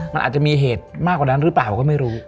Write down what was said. มันอาจจะมีเหตุมากกว่านั้นหรือเปล่าก็ไม่รู้